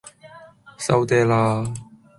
收嗲啦